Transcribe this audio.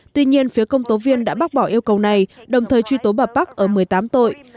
tuy nhiên phía công tố viên đã bác bỏ yêu cầu này đồng thời truy tố bà park ở một mươi tám tội